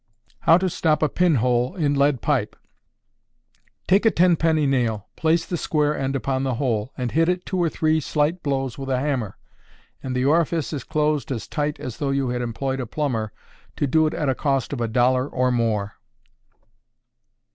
How to Stop a Pinhole in Lead Pipe. Take a ten penny nail, place the square end upon the hole, and hit it two or three slight blows with a hammer, and the orifice is closed as tight as though you had employed a plumber to do it at a cost of a dollar or more.